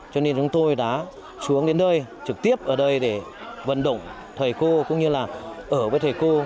cho nên chúng tôi đã xuống đến nơi trực tiếp ở đây để vận động thầy cô cũng như là ở với thầy cô